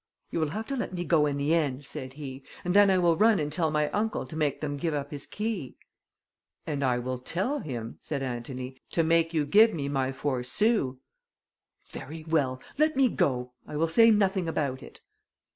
"You will have to let me go in the end," said he, "and then I will run and tell my uncle to make them give up his key." "And I will tell him," said Antony, "to make you give me my four sous." "Very well! Let me go; I will say nothing about it."